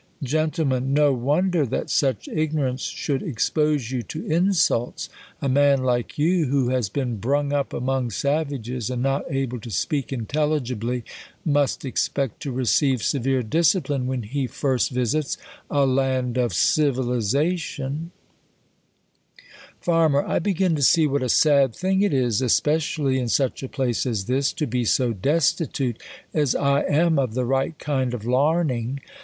Gent, No wonder that such ignorance should ex pose you to insults. A man like you, who has been brung up among savages, and not able to speak inteU ligibly, must expect to receive severe discipline, when he first visits a land of civilizatiois. Farm. I begin to see vrhat a sad thing it is, espe cially in such a place as this, to be so destitute as I am of the right kind of laming.